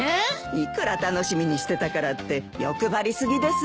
いくら楽しみにしてたからって欲張り過ぎですよ。